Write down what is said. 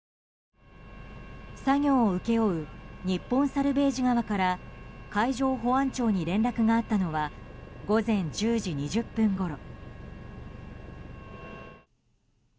作業を請け負う日本サルヴェージ側から海上保安庁に連絡があったのは午前１０時２０分ごろ。